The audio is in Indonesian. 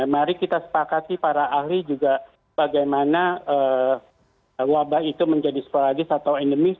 mari kita sepakati para ahli juga bagaimana wabah itu menjadi sporadis atau endemis